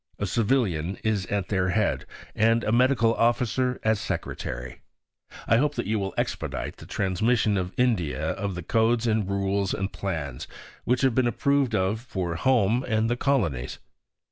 A Civilian is at their head, and a Medical Officer as Secretary. I hope that you will expedite the transmission to India of the codes and rules and plans which have been approved of for home and the colonies.